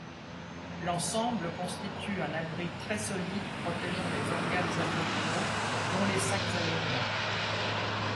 L'ensemble constitue un abri très solide protégeant les organes abdominaux dont les sacs aériens.